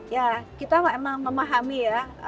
ya kita memang memahami ya